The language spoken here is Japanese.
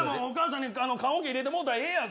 棺桶入れてもらったらええやん。